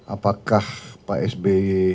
apakah pak sby